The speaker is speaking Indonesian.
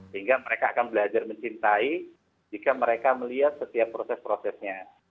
sehingga mereka akan belajar mencintai jika mereka melihat setiap proses prosesnya